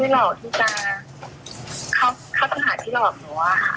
เงินก็เงินนะเงินก็นะอะไรประมาณเนี้ยค่ะเพราะว่า